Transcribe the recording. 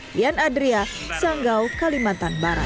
dian adria sanggau kalimantan barat